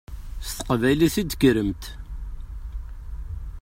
S teqbaylit i d-tekkremt.